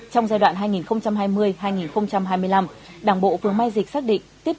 trong giai đoạn hai nghìn hai mươi hai nghìn hai mươi năm đảng bộ phường mai dịch xác định tiếp